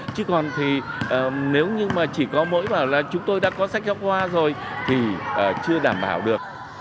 chứ còn thì nếu như mà chỉ có mỗi bảo là chúng tôi đã có sách giáo khoa rồi thì chưa đảm bảo được